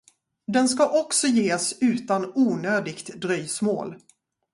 Den ska också ges utan onödigt dröjsmål.